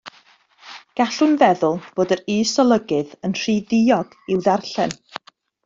Gallwn feddwl fod yr is-olygydd yn rhy ddiog i'w ddarllen.